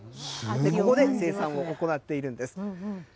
ここで生産を行っているんです。